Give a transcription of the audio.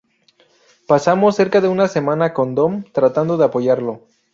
Pasamos cerca de una semana con Dom tratando de apoyarlo.